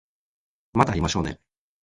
また会いましょうね